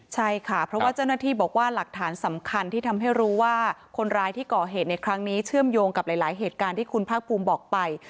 ใช่ค่ะเพราะว่าเจ้าหน้าที่บอกว่าหลักฐานสำคัญที่ทำให้รู้ว่าคนร้ายที่ก่อเหตุในครั้งนี้เชื่อมโยงกับหลายเหตุการณ์ที่คุณภาคภูมิบอกไป